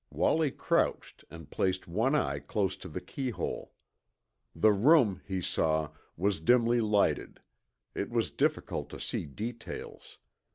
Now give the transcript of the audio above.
Wallie crouched and placed one eye close to the keyhole. The room, he saw, was dimly lighted. It was difficult to see details.